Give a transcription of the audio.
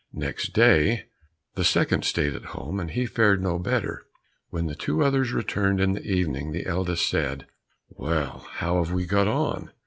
Next day, the second stayed at home, and he fared no better. When the two others returned in the evening, the eldest said, "Well, how have you got on?"